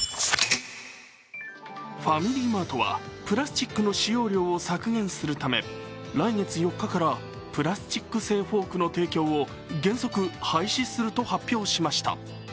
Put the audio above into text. ファミリーマートはプラスチックの使用料を削減するため来月４日からプラスチック製フォークの提供を原則廃止すると発表しました。